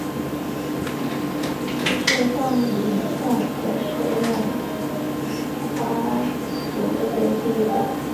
此球状影像可使用滑鼠点击移动。